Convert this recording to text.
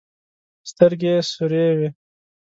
سترګې يې سورې وې.